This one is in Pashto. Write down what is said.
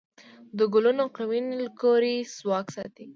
د ګلوون قوي نیوکلیري ځواک ساتي.